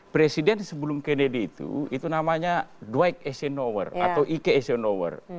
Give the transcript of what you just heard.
presiden sebelum kennedy itu itu namanya dwight eisenhower atau i k eisenhower